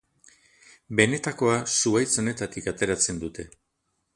Benetakoa zuhaitz honetatik ateratzen dute.